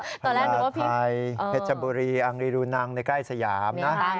ตอนแรกหรือว่าพี่โปเกมอนพญาไทยเหจบุรีอังริลุนังในใกล้สยามนะ